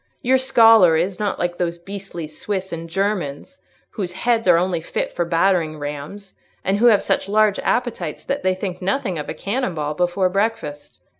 Your scholar is not like those beastly Swiss and Germans, whose heads are only fit for battering rams, and who have such large appetites that they think nothing of taking a cannon ball before breakfast.